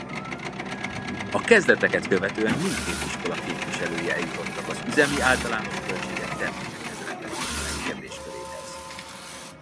A kezdeteket követően mindkét iskola képviselői eljutottak az üzemi általános költségek termékekhez rendelésének kérdésköréhez.